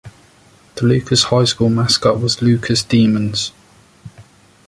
The Lucas High School mascot was Lucas Demons.